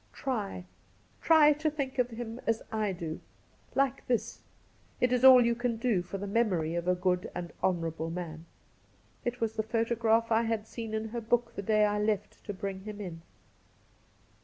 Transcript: Try — try to think of him as I do — ^like this ! It is all you can do for the memory of a good and honourable man.' It was the photograph I had seen in her book the day I left to bring him in.